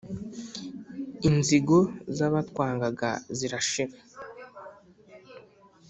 inzigo z'abatwangaga zirashira